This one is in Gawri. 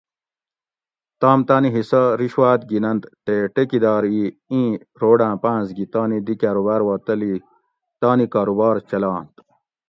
تام تانی حصہ (رشوات) گیننت تے ٹیکیدار ئ اِیں روڑاۤں پاںس گی تانی دی کاۤروباۤر وا تلی تانی کاروبار چلانت